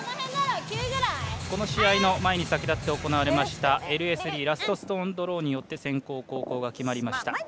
この試合の前に先立って行われましたラストストーンドローによって先攻、後攻が決まりました。